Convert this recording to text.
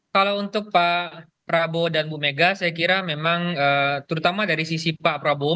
kalau untuk pak prabowo dan bu mega saya kira memang terutama dari sisi pak prabowo